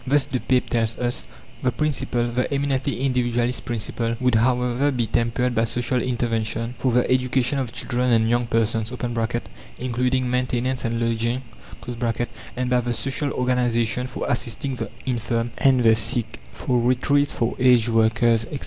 Thus De Paepe tells us: "The principle the eminently Individualist principle would, however, be tempered by social intervention for the education of children and young persons (including maintenance and lodging), and by the social organization for assisting the infirm and the sick, for retreats for aged workers, etc."